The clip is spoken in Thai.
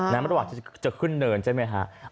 ระหว่างที่จะขึ้นเนินใช่ไหมครับ